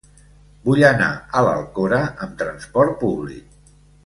Vull anar a l'Alcora amb transport públic.